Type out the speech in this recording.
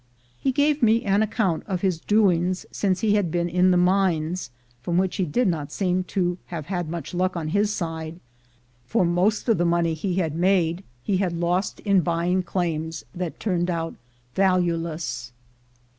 He gave me an account of his doings since he had been in the mines, from which he did not seem to have had much luck on his side, for most of the money he had made he had lost in buying claims 192 THE GOLD HUNTERS which turned out valueless.